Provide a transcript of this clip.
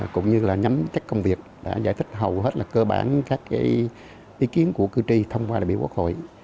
cũng như là nhắm chắc công việc đã giải thích hầu hết là cơ bản các ý kiến của cư tri thông qua đại biểu quốc hội